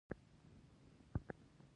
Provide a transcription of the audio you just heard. فلم باید انسانان سره نږدې کړي